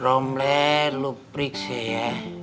romle luprik sih ya